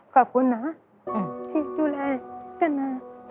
ขอบคุณนะที่ดูแลกันมา